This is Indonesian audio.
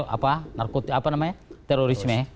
apa namanya terorisme